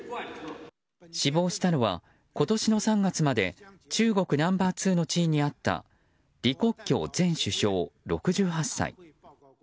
死亡したのは、今年の３月まで中国ナンバー２の地位にあった李克強前首相、６８歳。